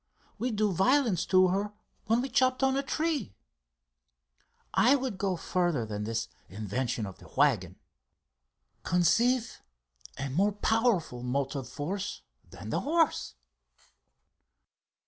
We do violence to her when we chop down a tree! I would go further than this invention of the waggon. Conceive a more powerful motive force than that horse...."